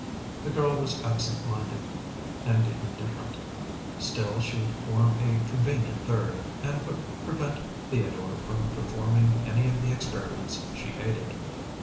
The girl was absentminded and indifferent; still she would form a convenient third, and would prevent Theodore from performing any of the experiments she hated.